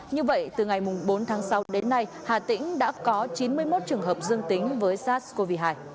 như vậy từ ngày bốn tháng sáu đến nay hà tĩnh đã có chín mươi một trường hợp dương tính với sars cov hai